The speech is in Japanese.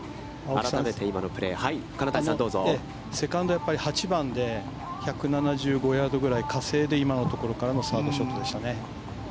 青木さん、セカンド、やっぱり８番で１７５ヤードぐらい加勢で今のところからのサードショットでしたね。